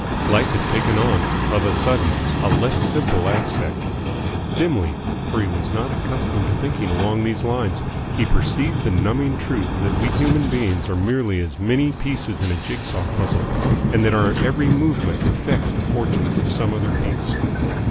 Life had taken on of a sudden a less simple aspect. Dimly, for he was not accustomed to thinking along these lines, he perceived the numbing truth that we human beings are merely as many pieces in a jig saw puzzle and that our every movement affects the fortunes of some other piece.